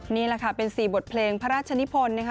นี่แหละค่ะเป็น๔บทเพลงพระราชนิพลนะคะ